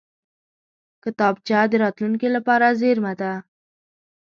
کتابچه د راتلونکې لپاره زېرمه ده